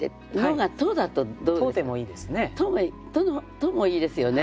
「と」もいいですよね。